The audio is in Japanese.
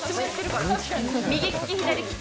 右利き？左利き？